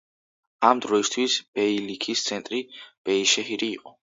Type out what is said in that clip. ამ დროისთვის ბეილიქის ცენტრი ბეიშეჰირი იყო.